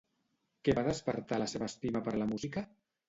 Què va despertar la seva estima per la música?